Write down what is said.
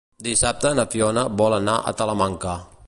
Dissabte na Fiona vol anar a Talamanca.